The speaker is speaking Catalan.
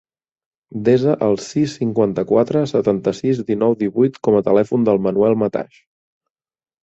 Desa el sis, cinquanta-quatre, setanta-sis, dinou, divuit com a telèfon del Manuel Mataix.